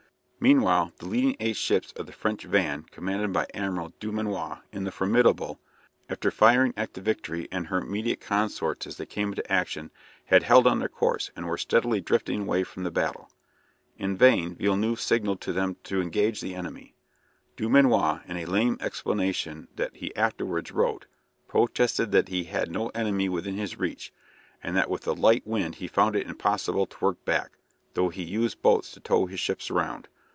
Meanwhile, the leading eight ships of the French van, commanded by Admiral Dumanoir, in the "Formidable," after firing at the "Victory" and her immediate consorts, as they came into action, had held on their course, and were steadily drifting away from the battle. In vain Villeneuve signalled to them to engage the enemy. Dumanoir, in a lame explanation that he afterwards wrote, protested that he had no enemy within his reach, and that with the light wind he found it impossible to work back, though he used boats to tow his ships round.